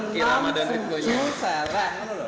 kirama dan hitungnya